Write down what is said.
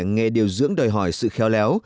nghề điều dưỡng đòi hỏi sự khéo léo